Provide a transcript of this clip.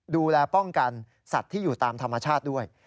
ดูแลป้องกันสัตว์ที่อยู่ตามธรรมชาติด้วย